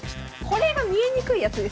これが見えにくいやつですね。